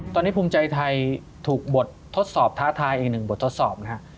ตอนนี้ภูมิใจไทยถูกบททดสอบท้าทายอีกหนึ่งบททดสอบนะฮะ